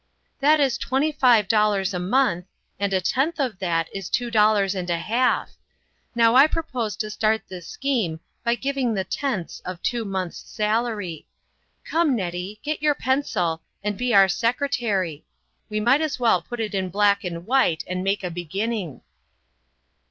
" That is twenty five dollars a month, and a tenth of that is two dollars and a half. Now I propose to start this scheme hy giving the 'tenths' of two months' sal ary. Come, Nettie, get your pencil, and be our secretary. We might as well put it in black and white, and make a beginning."